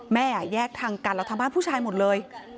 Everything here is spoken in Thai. แม่อ่ะแยกทางกันแล้วทำบ้านผู้ชายหมดเลย